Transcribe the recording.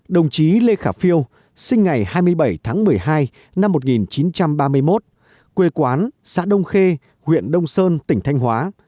đồng chí lê khả phiêu sinh ngày hai mươi bảy tháng một mươi hai năm một nghìn chín trăm ba mươi một quê quán xã đông khê huyện đông sơn tỉnh thanh hóa